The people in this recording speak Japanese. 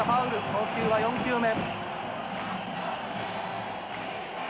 投球は４球目。